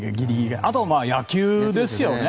あとは野球ですね。